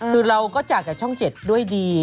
คือเราก็จากกับช่อง๗ด้วยดี